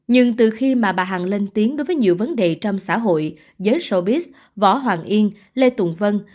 nhưng từ khi mà bà hằng lên tiếng đối với nhiều vấn đề trong xã hội giới shobis võ hoàng yên lê tùng vân